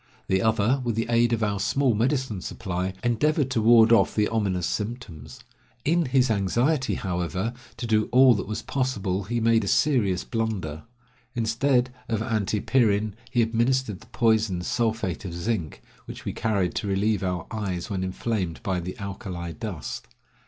The other, with the aid of our small medicine supply, endeavored to ward off the ominous symptoms. In his anxiety, however, to do all that was possible he made a serious blunder. Instead of antipyrin he administered the poison, sulphate of zinc, which we carried to relieve our eyes when inflamed by the alkali dust.